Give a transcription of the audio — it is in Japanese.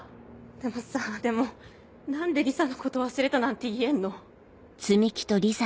でもさぁでも何でリサのこと忘れたなんて言えんの？